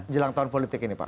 jelang tahun politik ini pak